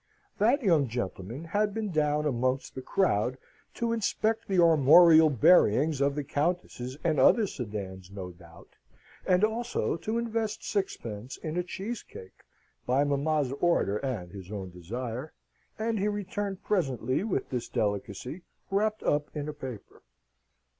That young gentleman had been down amongst the crowd to inspect the armorial bearings of the Countess's and other sedans, no doubt, and also to invest sixpence in a cheese cake, by mamma's order and his own desire, and he returned presently with this delicacy wrapped up in a paper.